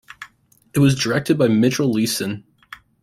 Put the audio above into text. It was directed by Mitchell Leisen.